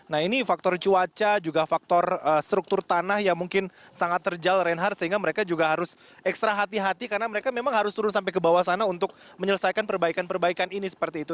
nah ini faktor cuaca juga faktor struktur tanah yang mungkin sangat terjal reinhard sehingga mereka juga harus ekstra hati hati karena mereka memang harus turun sampai ke bawah sana untuk menyelesaikan perbaikan perbaikan ini seperti itu